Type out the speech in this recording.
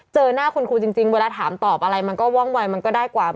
เจอหน้าคุณครูจริงเวลาถามตอบอะไรมันก็ว่องวัยมันก็ได้กว่า